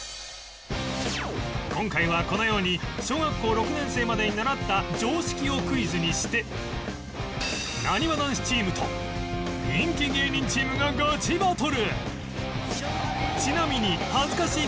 今回はこのように小学校６年生までに習った常識をクイズにしてなにわ男子チームと人気芸人チームがガチバトル！